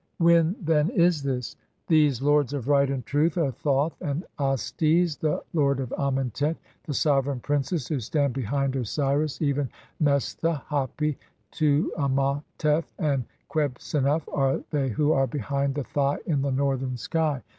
When then (89) is this? These lords of right and truth are Thoth and (90) Astes, the lord of Amentet. The sovereign princes [who stand] behind Osiris, even Mestha, (91) Hapi, Tuamautef, and Qebhsennuf, are thev who are (92) behind the Thigh in the northern sky.